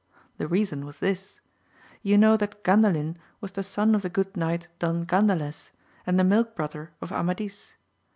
The reason was this : you know that Gandalin was the son of the good knight Don G^ndales, and the milk brother of Amadis.